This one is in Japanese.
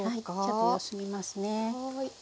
ちょっと様子見ますね。